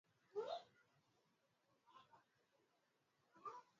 Mji Mkongwe wenye historia kubwa una majengo mengi ya kihistoria